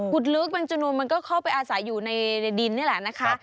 ลึกแมงจนูมันก็เข้าไปอาศัยอยู่ในดินนี่แหละนะคะ